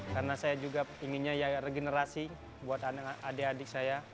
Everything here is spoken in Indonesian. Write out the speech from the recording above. karena saya juga inginnya regenerasi buat adik adik saya